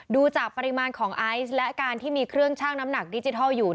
ดูจากปริมาณของไอซ์และการที่มีเครื่องชั่งน้ำหนักดิจิทัลอยู่